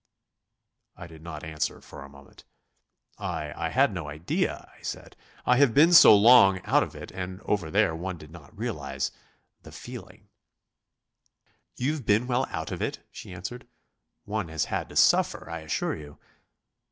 I did not answer for a moment. "I I had no idea," I said; "I have been so long out of it and over there one did not realise the ... the feeling." "You've been well out of it," she answered; "one has had to suffer, I assure you."